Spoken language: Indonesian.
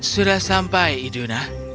sudah sampai iduna